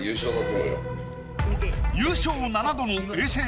優勝７度の永世